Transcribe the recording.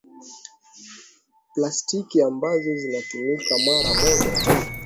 Plastiki ambazo zinatumika mara moja tu